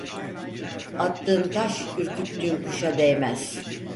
Attığın taş ürküttüğün kuşa değmez.